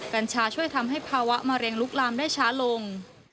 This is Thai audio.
กัญชาช่วยทำให้ภาวะมะเร็งลุกลามได้ช้าลง